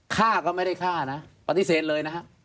ฆ่าก็ไม่ได้ฆ่านะปฏิเสธเลยนะฮะ